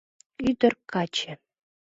Ӱдыр-каче